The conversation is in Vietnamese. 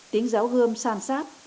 tiếng giáo gươm san sát